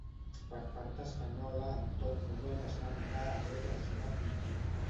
Per part espanyola en tot moment es va negar haver pressionat ningú.